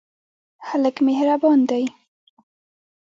هلک مهربان دی.